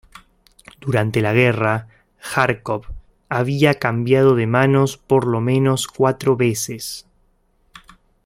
Durante la guerra, Járkov había cambiado de manos por lo menos cuatro veces.